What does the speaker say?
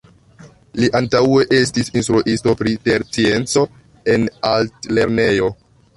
Li antaŭe estis instruisto pri terscienco en altlernejo.